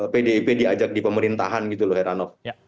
pdip diajak di pemerintahan gitu loh heranov